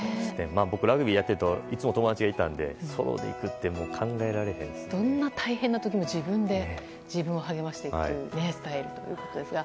僕、ラグビーをやっているといつも友達がいたのでどんな大変な時も自分で自分を励ますというスタイルということですが。